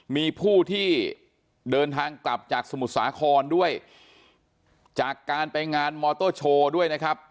มีผู้ที่เดินทางกลับจากสมุทรสาครด้วยจากการไปงานมอเตอร์โชว์ด้วยนะครับ